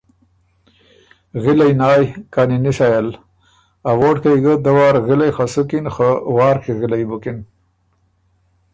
غلئ نایٛ کانی نِسئ ال۔ ا ووړکئ ګۀ دوار غِلئ خه سُکِن خه وارکی غِلئ بُکِن